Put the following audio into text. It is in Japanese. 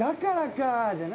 じゃないよ。